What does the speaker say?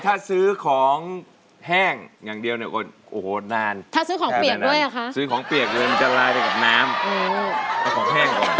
ถ้าซื้อของแห้งอย่างเดียวป